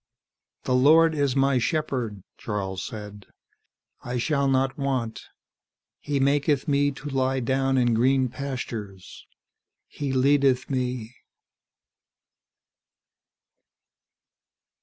"The Lord is my shepherd," Charles said. "I shall not want. He maketh me to lie down in green pastures; he leadeth me